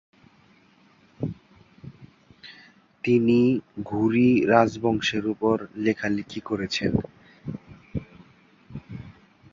তিনি ঘুরি রাজবংশের উপর লেখালেখি করেছেন।